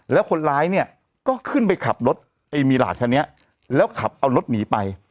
แล้วคนร้ายเนี่ยก็ขึ้นไปขับรถไอ้มีหลาดคันนี้แล้วขับเอารถหนีไป